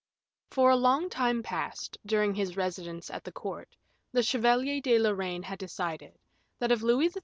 For a long time past, during his residence at the court, the Chevalier de Lorraine had decided, that of Louis XIII.